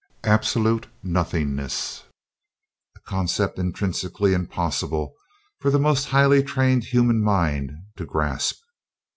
Absolute nothingness a concept intrinsically impossible for the most highly trained human mind to grasp.